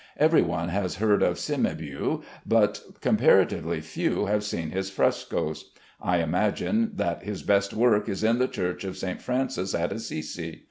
Every one has heard of Cimabue, but comparatively few have seen his frescoes. I imagine that his best work is in the Church of St. Francis at Assisi.